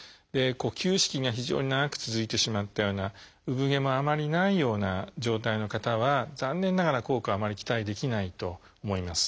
休止期が非常に長く続いてしまったような産毛もあまりないような状態の方は残念ながら効果はあまり期待できないと思います。